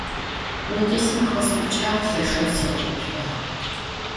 Vuipisme khıs'uç'ağ, lheşşeu siğeguş'uağ.